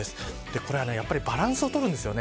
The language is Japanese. これは、やっぱりバランスを取るんですよね。